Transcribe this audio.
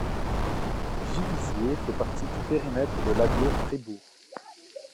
Givisiez fait partie du périmètre de l'Agglo Fribourg.